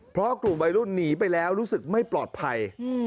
เพราะกลุ่มวัยรุ่นหนีไปแล้วรู้สึกไม่ปลอดภัย